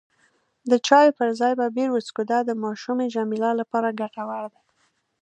د چایو پر ځای به بیر وڅښو، دا د ماشومې جميله لپاره ګټور دی.